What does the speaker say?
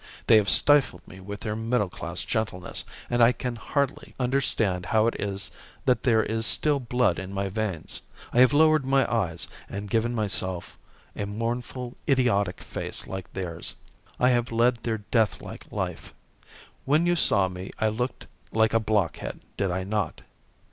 They have stifled me with their middle class gentleness, and I can hardly understand how it is that there is still blood in my veins. I have lowered my eyes, and given myself a mournful, idiotic face like theirs. I have led their deathlike life. When you saw me I looked like a blockhead, did I not?